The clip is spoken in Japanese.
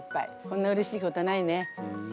こんなうれしいことはないね。